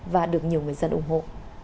và được nhiều người dân ủng hộ